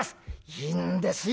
「いいんですよ。